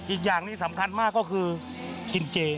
อีกอย่างนี้สำคัญมากก็คือกินเจ